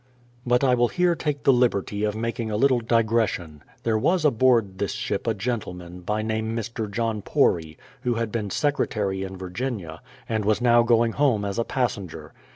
But I will here take the liberty of making a little digres sion. There was aboard this ship a gentleman, by name Mr. John Pory, who had been secretary in Virginia, and was now going home as a passenger.